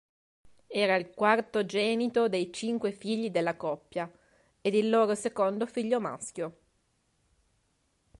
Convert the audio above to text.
Era il quartogenito dei cinque figli della coppia, ed il loro secondo figlio maschio.